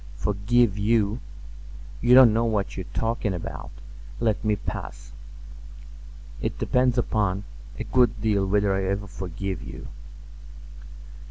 "Forgive you! You don't know what you are talking about. Let me pass. It depends upon—a good deal whether I ever forgive you."